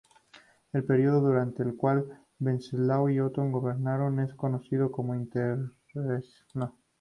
El periodo durante el cual Wenceslao y Otón gobernaron es conocido como interregno.